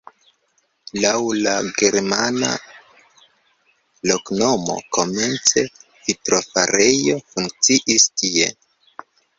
Laŭ la germana loknomo komence vitrofarejo funkciis tie.